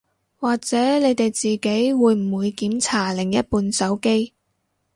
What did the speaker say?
或者你哋自己會唔會檢查另一半手機